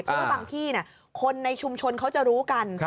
บางที่คนในชุมชนเขาจะรู้กัน